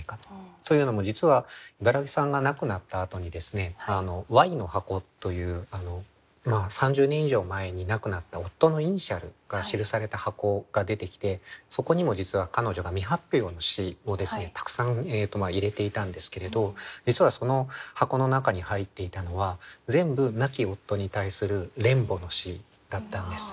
というのも実は茨木さんが亡くなったあとにＹの箱という３０年以上前に亡くなった夫のイニシャルが記された箱が出てきてそこにも実は彼女が未発表の詩をたくさん入れていたんですけれど実はその箱の中に入っていたのは全部亡き夫に対する恋慕の詩だったんです。